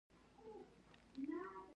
زه له ځایه جګ شوم او صندوقونه مې ولیدل